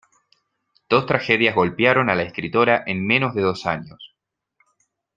Dos tragedias golpearon a la escritora en menos de dos años.